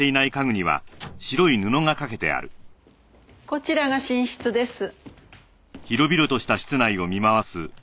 こちらが寝室です。